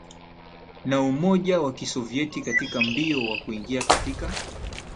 na Umoja wa Kisovyeti katika mbio wa kuingia katika